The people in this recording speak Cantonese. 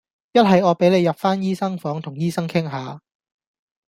一係我俾你入返醫生房同醫生傾吓呀